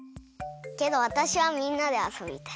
けどわたしはみんなであそびたい。